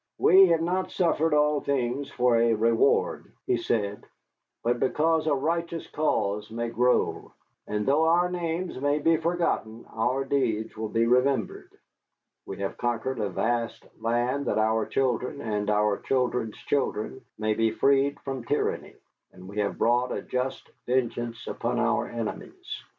"We have not suffered all things for a reward," he said, "but because a righteous cause may grow. And though our names may be forgotten, our deeds will be remembered. We have conquered a vast land that our children and our children's children may be freed from tyranny, and we have brought a just vengeance upon our enemies.